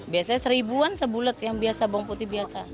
biasanya seribuan sebulet yang biasa bawang putih biasa